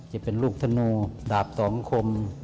จะเป็นลูกธนูดาบสองคม